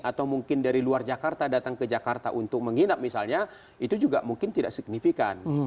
atau mungkin dari luar jakarta datang ke jakarta untuk menginap misalnya itu juga mungkin tidak signifikan